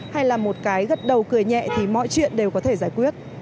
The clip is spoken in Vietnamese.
hay là một cái gật đầu cười nhẹ thì mọi chuyện đều có thể giải quyết